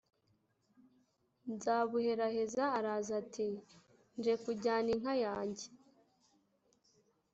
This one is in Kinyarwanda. Nzabuheraheza araza ati: “Nje kujyana inka yange”.